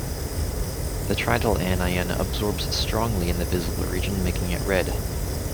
The trityl anion absorbs strongly in the visible region, making it red.